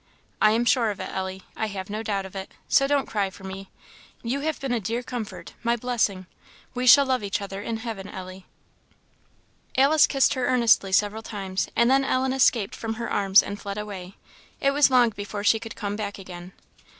I am sure of it, Ellie; I have no doubt of it; so don't cry for me. You have been my dear comfort, my blessing we shall love each other in heaven, Ellie." Alice kissed her earnestly several times, and then Ellen escaped from her arms and fled away. It was long before she could come back again.